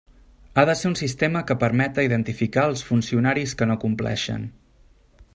Ha de ser un sistema que permeta identificar els funcionaris que no compleixen.